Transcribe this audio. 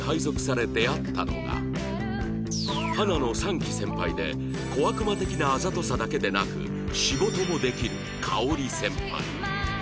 花の３期先輩で小悪魔的なあざとさだけでなく仕事もできる香織先輩